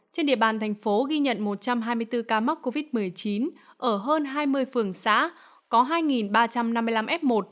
trên địa bàn thành phố ghi nhận một trăm hai mươi bốn ca mắc covid một mươi chín ở hơn hai mươi phường xã có hai ba trăm năm mươi năm f một